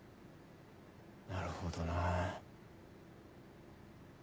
なるほどな。